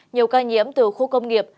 nhiều ca nhiễm từ khu công nghiệp